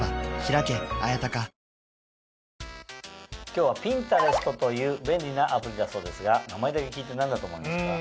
今日はピンタレストという便利なアプリだそうですが名前だけ聞いて何だと思いますか？